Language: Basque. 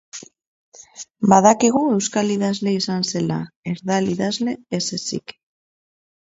Badakigu euskal idazle izan zela, erdal idazle ez ezik.